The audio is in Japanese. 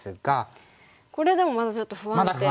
これでもまだちょっと不安定ですよね。